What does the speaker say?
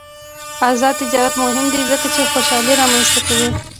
آزاد تجارت مهم دی ځکه چې خوشحالي رامنځته کوي.